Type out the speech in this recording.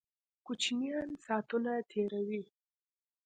کوچینان ساتونه تیروي